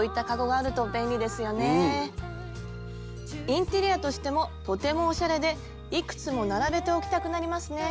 インテリアとしてもとてもおしゃれでいくつも並べて置きたくなりますね。